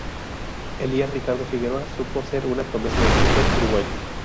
Elías Ricardo Figueroa supo ser una promesa del fútbol uruguayo.